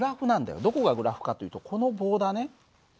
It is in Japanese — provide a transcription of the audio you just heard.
どこがグラフかというとこの棒だね。